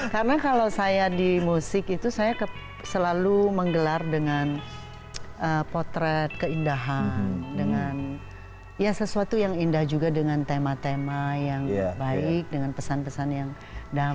karena kalau saya di musik itu saya selalu menggelar dengan potret keindahan dengan ya sesuatu yang indah juga dengan tema tema yang baik dengan pesan pesan yang damai